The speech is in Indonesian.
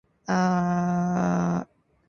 Tepat seperti apa yang Anda katakan.